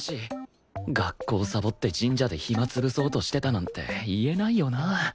学校サボって神社で暇潰そうとしてたなんて言えないよな